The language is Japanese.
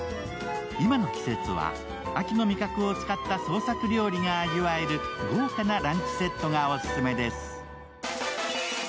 今の季節は秋の味覚を使った創作料理が味わえる豪華なランチセットがオススメです。